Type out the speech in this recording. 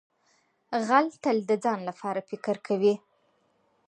غل تل د ځان لپاره فکر کوي